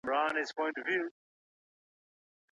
دواړو کورنيو د بل لوري پر خبرو باور وکړ.